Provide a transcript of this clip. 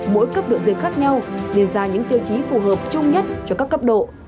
mỗi cấp độ dịch khác nhau nên ra những tiêu chí phù hợp chung nhất cho các cấp độ